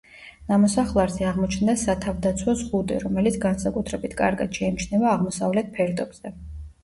ნამოსახლარზე აღმოჩნდა სათავდაცვო ზღუდე, რომელიც განსაკუთრებით კარგად შეიმჩნევა აღმოსავლეთ ფერდობზე.